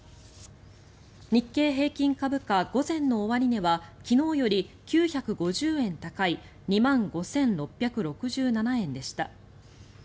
日経平均株価、午前の終値は昨日より９５０円高い２万５６６７円でした。